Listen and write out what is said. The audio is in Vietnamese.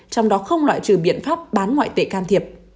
trong đó không loại trừ biện pháp bán ngoại tệ can thiệp